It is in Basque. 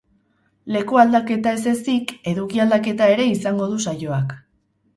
Leku aldaketa ez ezik, eduki aldaketa ere izango du saioak.